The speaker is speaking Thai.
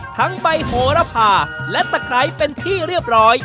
ทั้งใบโหระพาและตะไคร้เป็นที่เรียบร้อย